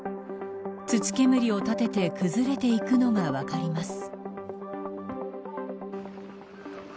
土煙を立てて崩れていくのが分かります。